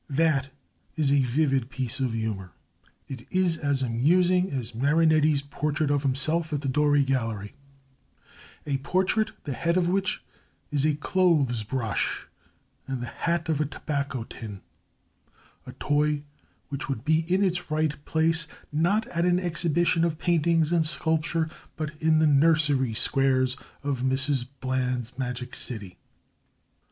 That is a vivid piece of humour. It is as amusing as Marinetti's portrait of himself at the Doré Gallery a portrait the head of which is a clothes brush and the hat a tobacco tin a toy which would be in its right place, not at an exhibition of paintings, and sculpture, but in the nursery squares of Mrs Bland's Magic City.